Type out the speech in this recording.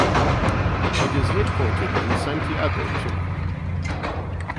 It is headquartered in Santiago, Chile.